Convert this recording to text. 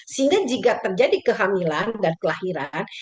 sehingga jika terjadi kehamilan dan kelahiran